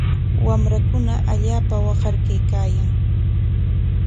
Wamrakuna allaapa waqar kaykaayan.